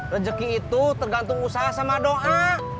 rezeki itu tergantung usaha sama doa